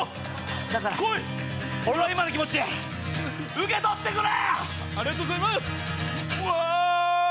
だから、俺の今の気持ち、受け取ってくれ！